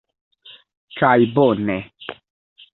Kaj bone!